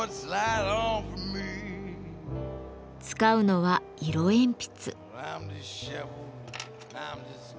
使うのは色鉛筆。